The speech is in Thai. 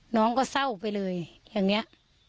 น้องก็เศร้าไปเลยอย่างนี้